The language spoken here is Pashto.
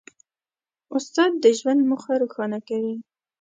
استاد د ژوند موخه روښانه کوي.